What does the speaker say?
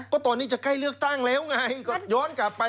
ก็ตอนนี้จะใกล้เลือกตั้งแล้วไงก็ย้อนกลับไป